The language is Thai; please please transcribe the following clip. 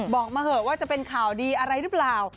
บอกมาเถอะว่าจะเป็นข่าวดีอะไรหรือเปล่า